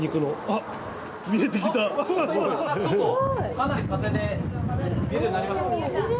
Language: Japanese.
かなり風で見えるようになりましたね。